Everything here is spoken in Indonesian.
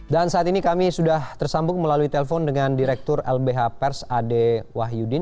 dan saat ini kami sudah tersambung melalui telepon dengan direktur lbh pers ade wahyudin